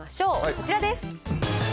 こちらです。